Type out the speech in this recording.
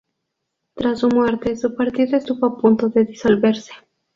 Tras su muerte, su partido estuvo a punto de disolverse.